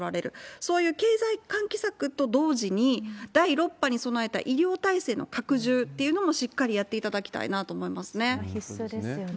そういう経済喚起策と同時に、第６波に備えた医療体制の拡充っていうのもしっかりやっていただ必須ですよね。